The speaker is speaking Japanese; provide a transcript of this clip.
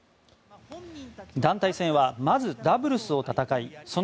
団体戦はまずダブルスを戦いその